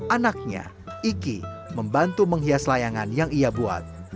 anaknya iki membantu menghias layangan yang ia buat